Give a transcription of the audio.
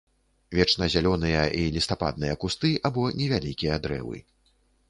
Вечназялёныя і лістападныя кусты або невялікія дрэвы.